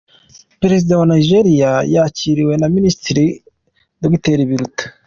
Perezida wa Niger yakiriwe na Minisitiri Dr Biruta.